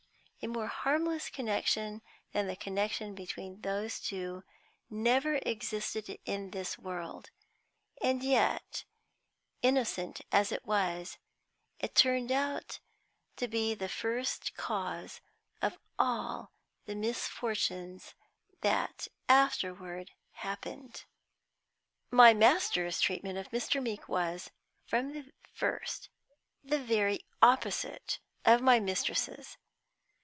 A more harmless connection than the connection between those two never existed in this world; and yet, innocent as it was, it turned out to be the first cause of all the misfortunes that afterward happened. My master's treatment of Mr. Meeke was, from the first, the very opposite of my mistress's.